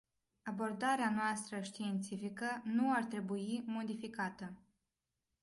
Abordarea noastră științifică nu ar trebui modificată.